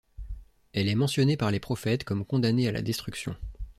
Elle est mentionnée par les prophètes comme condamnée à la destruction.